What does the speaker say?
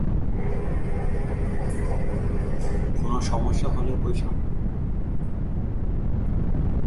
কোনো সমস্যা হলে, ও-ই সামলাবে।